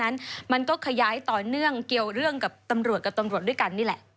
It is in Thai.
แต่ว่าเรื่องมันไม่ได้จบแค่นั้นมันก็ขยายต่อเนื่องเกี่ยวเรื่องกับตำรวจกับตำรวจด้วยกันนี่แหละ